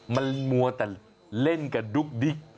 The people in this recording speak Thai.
มันมัวแต่เล่นกับดุ๊กดิ๊ก